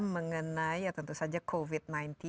mengenai ya tentu saja covid sembilan belas